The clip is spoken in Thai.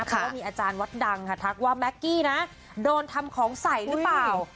เพราะว่ามีอาจารย์วัดดังค่ะทักว่าแม็กกี้นะโดนทำของใส่หรือเปล่า